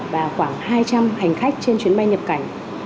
và khoảng hai trăm linh hành khách trên chuyến bay nhập cảnh